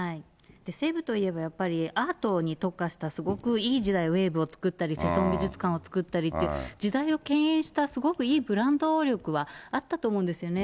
西武といえば、やっぱりアートに特化した、すごくいい時代、ウェーブを作ったり、セゾン美術館を作ったりという時代をけん引したすごくいいブランド力はあったと思うんですよね。